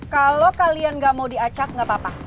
kalau kalian gak mau diacak gak apa apa